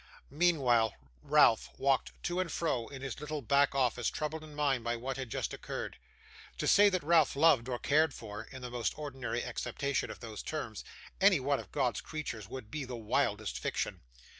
Meanwhile, Ralph walked to and fro in his little back office, troubled in mind by what had just occurred. To say that Ralph loved or cared for in the most ordinary acceptation of those terms any one of God's creatures, would be the wildest fiction.